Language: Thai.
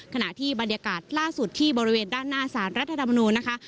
ขณะที่บรรยากาศล่าสุดที่บริเวณด้านหน้าสารรัฐธรรมนูญนะคะ